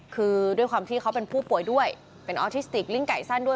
คือด้วยความที่เขาเป็นผู้ป่วยด้วยเป็นออทิสติกลิ้งไก่สั้นด้วย